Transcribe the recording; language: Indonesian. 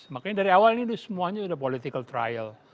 makanya dari awal ini semuanya sudah political trial